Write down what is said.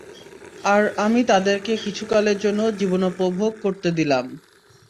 আর আমি তাদেরকে কিছুকালের জন্য জীবনোপভোগ করতে দিলাম।